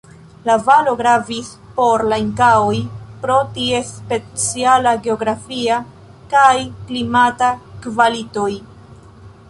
La valo gravis por la Inkaoj pro ties speciala geografia kaj klimata kvalitoj.